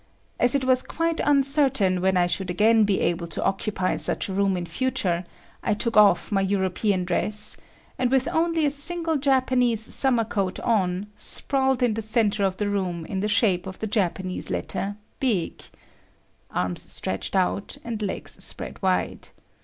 As it was quite uncertain when I should again be able to occupy such a room in future, I took off my European dress, and with only a single Japanese summer coat on, sprawled in the centre of the room in the shape of the Japanese letter "big" (arms stretched out and legs spread wide[D]).